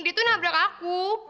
dia tuh nabrak aku